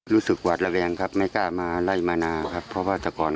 หวาดระแวงครับไม่กล้ามาไล่มานาครับเพราะว่าแต่ก่อน